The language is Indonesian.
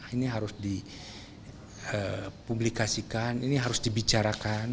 ini harus dipublikasikan ini harus dibicarakan